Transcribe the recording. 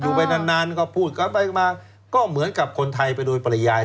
ไปนานนานก็พูดกันไปมาก็เหมือนกับคนไทยไปโดยปริยาย